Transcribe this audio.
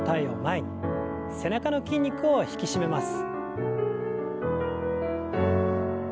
背中の筋肉を引き締めます。